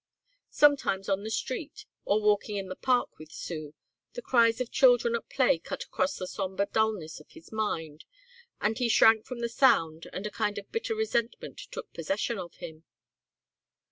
Sometimes on the street, or walking in the park with Sue, the cries of children at play cut across the sombre dulness of his mind and he shrank from the sound and a kind of bitter resentment took possession of him.